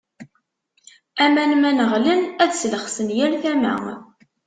Aman ma neɣlen, ad slexsen yal tama.